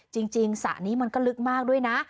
สระนี้มันก็ลึกมากด้วยนะ